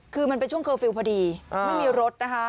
คือมันเป็นช่วงเคอร์ฟิลล์พอดีไม่มีรถนะคะ